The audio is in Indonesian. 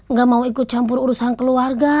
nggak mau ikut campur urusan keluarga